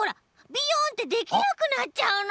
ビヨンってできなくなっちゃうの！